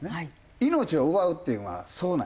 命を奪うっていうのはそうない。